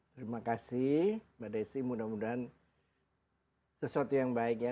terima kasih mbak desi mudah mudahan sesuatu yang baik ya